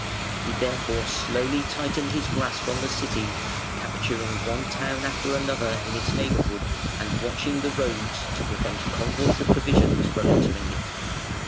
He therefore slowly tightened his grasp on the City, capturing one town after another in its neighbourhood and watching the roads to prevent convoys of provisions from entering it.